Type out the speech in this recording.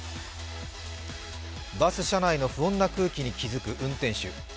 バス車内の不穏な空気に気付く運転手。